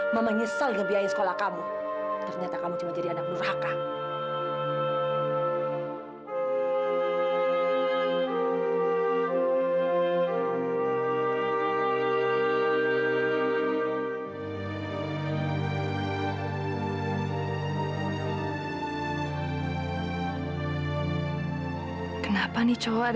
sampai jumpa di video selanjutnya